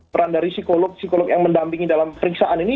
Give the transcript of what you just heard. peran dari psikolog psikolog yang mendampingi dalam periksaan ini